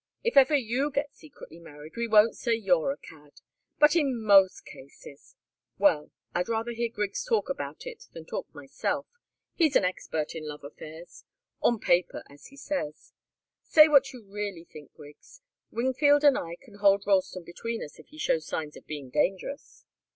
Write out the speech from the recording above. "If ever you get secretly married, we won't say you're a cad. But in most cases well, I'd rather hear Griggs talk about it than talk myself. He's an expert in love affairs on paper, as he says. Say what you really think, Griggs. Wingfield and I can hold Ralston between us if he shows signs of being dangerous."